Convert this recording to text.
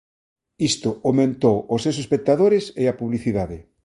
Isto aumentou os seus espectadores e a publicidade.